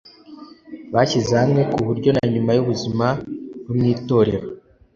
bishyize hamwe ku buryo na nyuma y'ubuzima bwo mu itorero